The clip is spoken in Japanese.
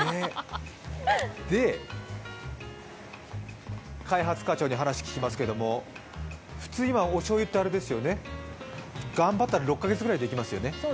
で、開発課長に話を聞きますけど、普通、今、おしょうゆって頑張ったら６か月ぐらいでいけますよね？